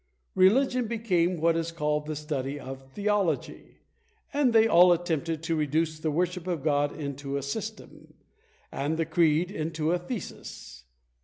Religion became what is called the study of Theology; and they all attempted to reduce the worship of God into a system! and the creed into a thesis!